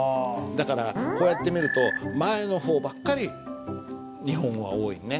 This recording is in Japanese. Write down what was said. だからこうやって見ると前の方ばっかり日本語が多いよね。